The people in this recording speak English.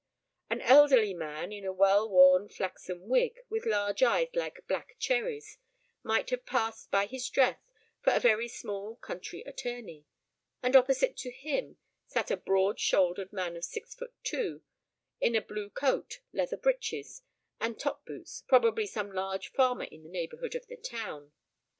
An elderly man, in a well worn flaxen wig, and large eyes like black cherries, might have passed by his dress for a very small country attorney, and opposite to him sat a broad shouldered man of six foot two, in a blue coat, leather breeches, and top boots, probably some large farmer in the neighbourhood of the town.